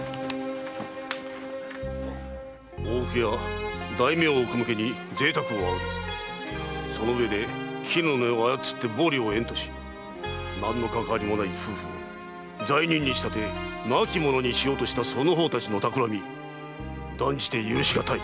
大奥や大名奥向きに贅沢を煽りそのうえで絹の値を操って暴利を得んとし何のかかわりもない夫婦を罪人に仕立て亡き者にしようとしたその方たちの企み断じて許しがたい。